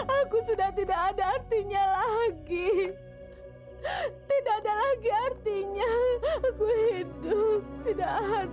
aku hidup tidak ada